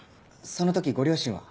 その時ご両親は？